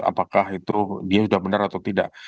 apakah itu dia sudah benar atau tidak